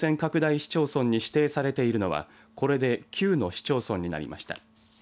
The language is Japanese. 市町村に指定されているのはこれで９の市町村になりました。